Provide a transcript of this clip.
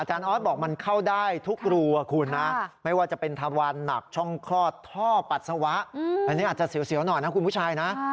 ออสบอกมันเข้าได้ทุกรูคุณนะไม่ว่าจะเป็นทวานหนักช่องคลอดท่อปัสสาวะอันนี้อาจจะเสียวหน่อยนะคุณผู้ชายนะ